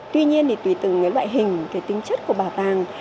tuy nhiên thì tùy từng cái loại hình cái tính chất của bảo tàng